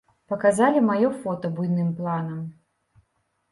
Паказалі маё фота буйным планам.